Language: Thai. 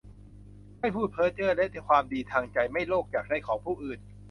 ไม่พูดเพ้อเจ้อ และความดีทางใจ ไม่โลภอยากได้ของผู้อื่น